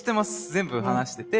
全部話してて。